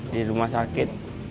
di rumah sakit